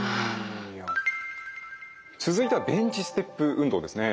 続いてはベンチステップ運動ですね。